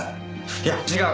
いや違う！